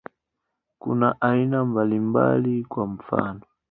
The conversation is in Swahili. Kuna aina mbalimbali, kwa mfano.